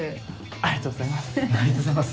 ありがとうございます。